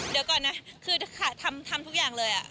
เดี๋ยวก่อนนะคือทำทุกอย่างเลย